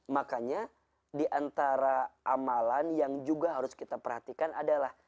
makanya diantara amalan yang juga harus kita perhatikan adalah